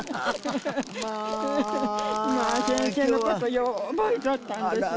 まあまあ先生のことよう覚えとったんですよ